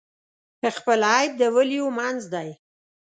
خپل عیب د ولیو منځ دی.